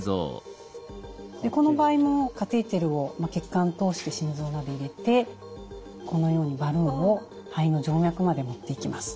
この場合もカテーテルを血管通して心臓まで入れてこのようにバルーンを肺の静脈まで持っていきます。